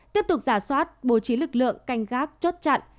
tiếp tục giả soát bố trí lực lượng canh gác chốt chặn